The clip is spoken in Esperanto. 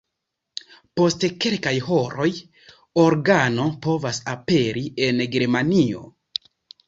Post kelkaj horoj organo povas aperi en Germanio.